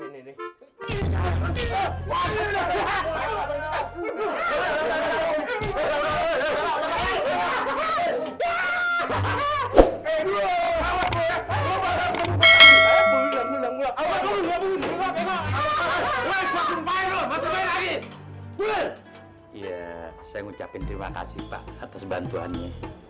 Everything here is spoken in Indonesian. iya saya ngucapin terima kasih pak atas bantuannya